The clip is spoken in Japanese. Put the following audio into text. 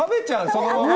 そのまま。